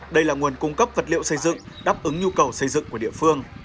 đây là nguồn cung cấp vật liệu xây dựng đáp ứng nhu cầu xây dựng của địa phương